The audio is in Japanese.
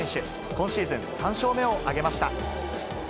今シーズン３勝目を挙げました。